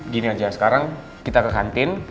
gini aja sekarang kita ke kantin